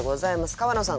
川野さん